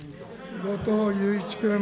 後藤祐一君。